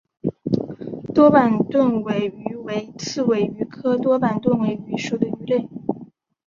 多板盾尾鱼为刺尾鱼科多板盾尾鱼属的鱼类。